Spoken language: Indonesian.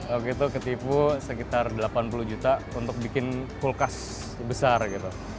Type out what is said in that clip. waktu itu ketipu sekitar delapan puluh juta untuk bikin kulkas besar gitu